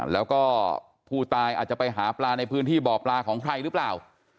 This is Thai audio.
แล้วก็ผู้ตายอาจจะไปหาปลาในพื้นที่บ่อปลาของใครหรือเปล่า